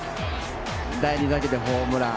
第２打席でホームラン。